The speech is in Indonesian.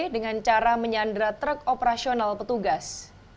dengan cara menyandra truk operasional petugas